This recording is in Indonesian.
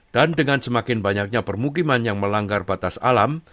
dan dengan semakin banyaknya permukiman yang melanggar batas alam